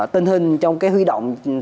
tình hình trong cái huy động